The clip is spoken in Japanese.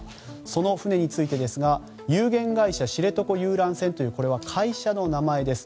その船についてですが有限会社知床遊覧船というこれは会社の名前です。